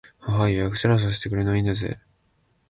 ははっ、予約すらさせてくれないんだぜ